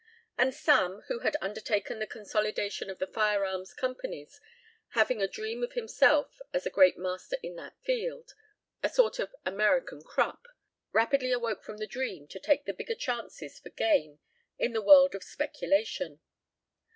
And Sam, who had undertaken the consolidation of the firearms companies, having a dream of himself as a great master in that field, a sort of American Krupp, rapidly awoke from the dream to take the bigger chances for gain in the world of speculation.